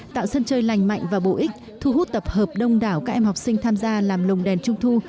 tạo sân chơi lành mạnh và bổ ích thu hút tập hợp đông đảo các em học sinh tham gia làm lồng đèn trung thu